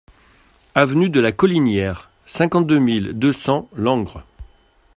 Avenue de la Collinière, cinquante-deux mille deux cents Langres